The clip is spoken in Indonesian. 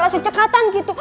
langsung cekatan gitu